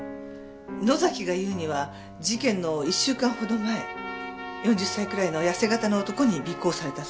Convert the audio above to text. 野崎が言うには事件の１週間ほど前４０歳くらいの痩せ形の男に尾行されたそうです。